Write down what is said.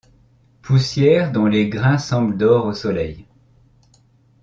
Poussière dont les grains semblent d’or au soleil!